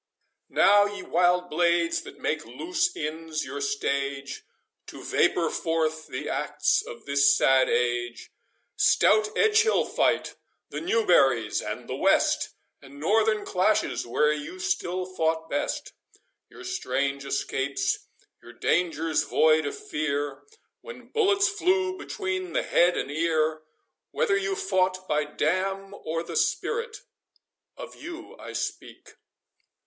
Now, ye wild blades, that make loose inns your stage, To vapour forth the acts of this sad age, Stout Edgehill fight, the Newberries and the West, And northern clashes, where you still fought best; Your strange escapes, your dangers void of fear, When bullets flew between the head and ear, Whether you fought by Damme or the Spirit, Of you I speak.